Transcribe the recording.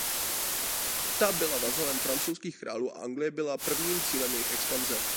Ta byla vazalem francouzských králů a Anglie byla prvním cílem jejich expanze.